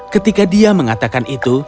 ketika dia mengatakan itu